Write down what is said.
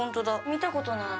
見たことない。